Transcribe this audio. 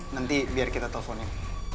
nanti biar kita teleponin